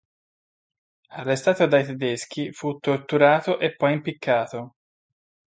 Arrestato dai tedeschi, fu torturato e poi impiccato.